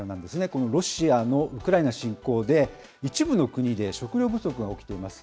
このロシアのウクライナ侵攻で、一部の国で食料不足が起きています。